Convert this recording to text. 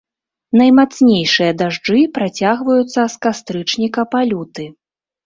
Наймацнейшыя дажджы працягваюцца з кастрычніка па люты.